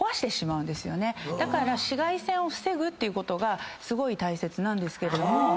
だから紫外線を防ぐことがすごい大切なんですけれども。